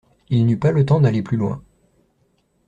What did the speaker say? Il n’eut pas le temps d’aller plus loin.